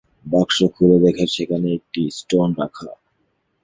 বাক্স খুলে দেখে সেখানে কি স্টোন রাখা।